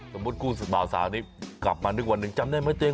สมมุติกูสุดเบาสาวนี้กลับมานึกวันนึงจำได้ไหม